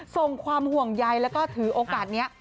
ส่งความห่วงใยแล้วก็ถือโอกาสนี้